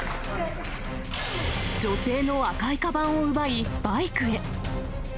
女性の赤いかばんを奪い、バイクへ。